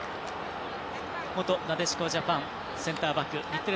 元なでしこジャパンセンターバック日テレ